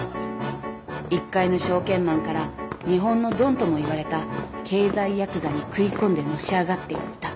一介の証券マンから日本のドンともいわれた経済ヤクザに食い込んでのし上がっていった。